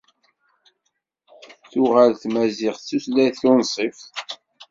Tuɣal tmaziɣt d tutlayt tunṣibt.